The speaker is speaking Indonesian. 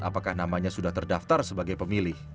apakah namanya sudah terdaftar sebagai pemilih